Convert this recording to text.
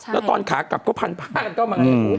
แล้วตอนขากลับก็พันธุ์พันธุ์ก็มาเงียบ